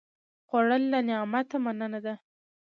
خوړل له نعمته مننه ده